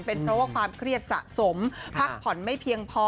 เป็นเพราะว่าความเครียดสะสมพักผ่อนไม่เพียงพอ